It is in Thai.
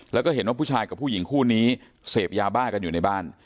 แล้วก็เห็นว่าผู้ชายกับผู้หญิงคู่นี้เสพยาบ้ากันอยู่ในบ้าน